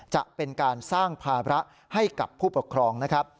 จะเป็นการสร้างภาระให้กับผู้ปกครองนะครับ